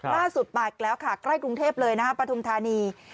ล่าสุดมาอีกแล้วค่ะใกล้กรุงเทพเลยนะคะปฐุมธานี